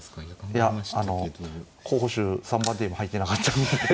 いやあの候補手３番手にも入ってなかったんで。